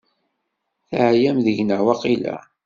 Teɛyam deg-neɣ waqila?